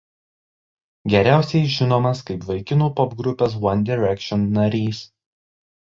Geriausiai žinomas kaip vaikinų pop grupės „One Direction“ narys.